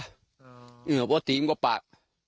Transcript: เหียวเยือนเขาปาก